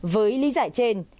với lý giải trên